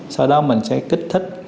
sau đó mình sẽ kích thích